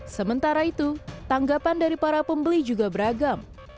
sementara itu tanggapan dari para pembeli juga beragam